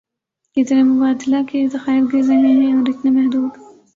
کہ زر مبادلہ کے ذخائر گر رہے ہیں اور اتنے محدود